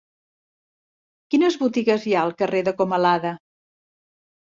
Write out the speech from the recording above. Quines botigues hi ha al carrer de Comalada?